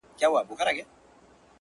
• او فضا غمجنه ښکاري ډېر..